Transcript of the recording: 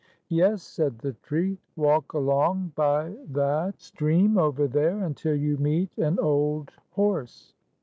"Yes," said the tree. "Walk along by that 43 stream over there, until you meet an old horse.